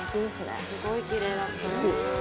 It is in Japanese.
「すごいきれいだったな」